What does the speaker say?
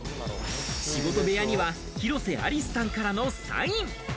仕事部屋には広瀬アリスさんからのサイン。